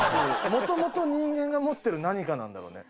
もともと人間が持ってる何かなんだろうね。